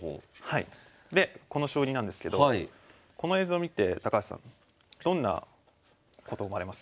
でこの将棋なんですけどこの映像見て高橋さんどんなこと思われます？